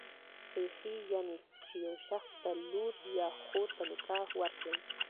خېښي، يعنی چي يو شخص ته لور يا خور په نکاح ورکي.